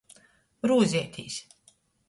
Rūzietīs.